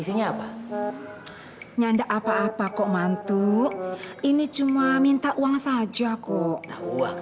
isinya apa nyanda apa apa kok mantu ini cuma minta uang saja kok